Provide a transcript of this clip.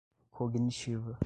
cognitiva